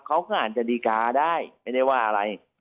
เขาก็อาจจะดีการ์ได้ไม่ได้ว่าอะไร